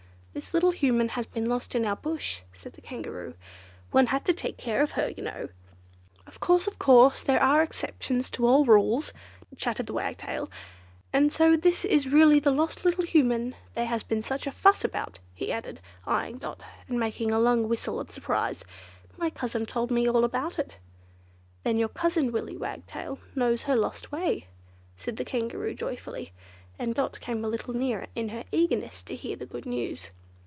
"This little Human has been lost in our Bush," said the Kangaroo; "one had to take care of her, you know." "Of course, of course; there are exceptions to all rules," chattered the Wagtail. "And so this is really the lost little Human there has been such a fuss about!" added he, eyeing Dot, and making a long whistle of surprise. "My cousin told me all about it." "Then your cousin, Willy Wagtail, knows her lost way," said the Kangaroo joyfully, and Dot came a little nearer in her eagerness to hear the good news.